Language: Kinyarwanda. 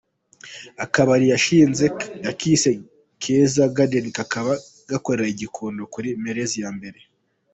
Akabari yashinze yakise Keza Garden kakaba gakorera i Gikondo kuri Merez ya mbere.